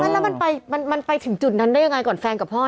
แล้วมันไปถึงจุดนั้นได้ยังไงก่อนแฟนกับพ่อ